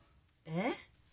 えっ？